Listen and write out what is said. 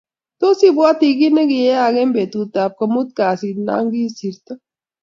Tos ibwati kiit nikiiyay eng betut ab komut kasit na kosirta?